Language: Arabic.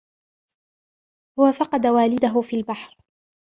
هوَ فقد والدهُ في البحر.